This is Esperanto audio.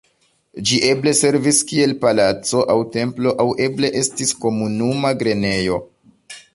Ĝi eble servis kiel palaco aŭ templo aŭ eble estis komunuma grenejo.